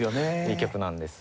いい曲なんです。